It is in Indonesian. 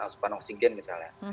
asupan oksigen misalnya